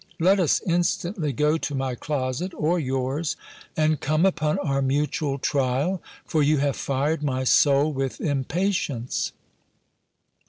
Let us instantly go to my closet, or yours, and come upon our mutual trial; for you have fired my soul with impatience!"